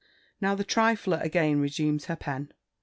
Now the trifler again resumes her pen.